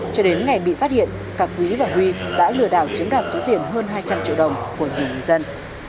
cho đến ngày bị phát hiện cả quý và huy đã lừa đảo chiếm đoạt số tiền hơn hai trăm linh triệu đồng của nhiều người dân